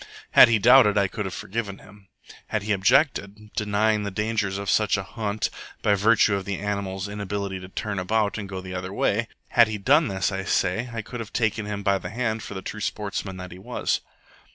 Had he doubted, I could have forgiven him. Had he objected, denying the dangers of such a hunt by virtue of the animal's inability to turn about and go the other way had he done this, I say, I could have taken him by the hand for the true sportsman that he was.